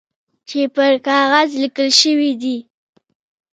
چي پر کاغذ لیکل شوي دي .